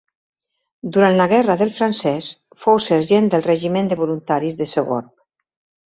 Durant la guerra del Francès fou sergent del Regiment de Voluntaris de Sogorb.